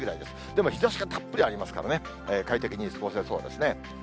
でも日ざしがたっぷりありますからね、快適に過ごせそうですね。